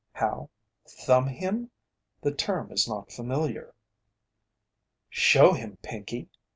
"How thumb him? The term is not familiar." "Show him, Pinkey."